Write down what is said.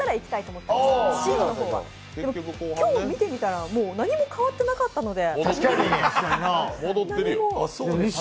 今日見て見たら何も変わってなかったので。